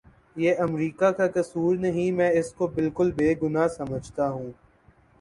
یہ امریکہ کا کسور نہیں میں اس کو بالکل بے گناہ سمجھتا ہوں